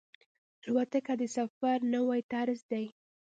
الوتکه د سفر نوی طرز دی.